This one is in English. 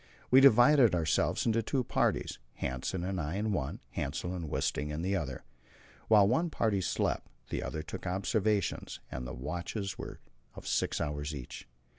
We divided ourselves into two parties Hanssen and I in one, Hassel and Wisting in the other. While one party slept, the other took the observations, and the watches were of six hours each.